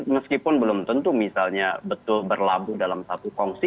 meskipun belum tentu misalnya betul berlabuh dalam satu kongsi